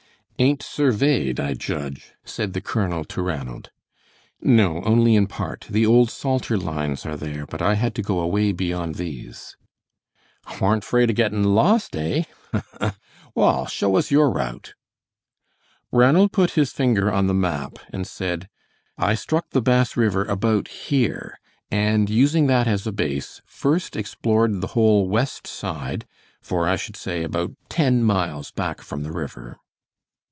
"Ain't surveyed, I judge," said the colonel to Ranald. "No, only in part; the old Salter lines are there, but I had to go away beyond these." "Warn't 'fraid of gettin' lost, eh? Ha, ha! Wall show us your route." Ranald put his finger on the map, and said: "I struck the Bass River about here, and using that as a base, first explored the whole west side, for, I should say, about ten miles back from the river."